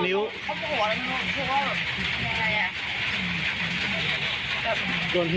แล้วหนูก็คือว่าแบบพูดยังไงอ่ะ